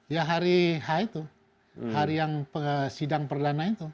ya hari h itu hari yang sidang perdana itu